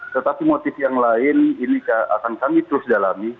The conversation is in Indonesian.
tetapi motif yang lain ini akan kami terus dalami